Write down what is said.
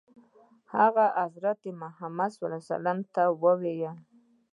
هغه حضرت محمد صلی الله علیه وسلم ته وویل.